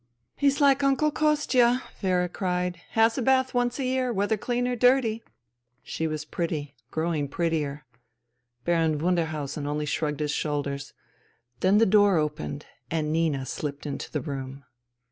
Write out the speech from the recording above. "He's like Uncle Kostia !" Vera cried. "Ha a bath once a year — whether clean or dirty." SIj was pretty, growing prettier. Baron Wunderhausen only shrugged his shoulder; Then the door opened and Nina slipped into th room.